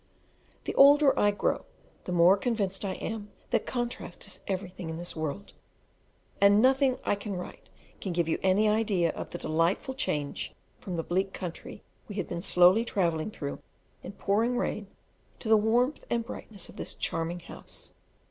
The older I grow the more convinced I am that contrast is everything in this world; and nothing I can write can give you any idea of the delightful change from the bleak country we had been slowly travelling through in pouring rain, to the warmth and brightness of this charming house.